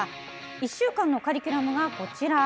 １週間のカリキュラムがこちら。